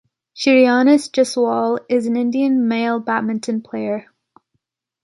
Shreyansh Jaiswal is an Indian male badminton player.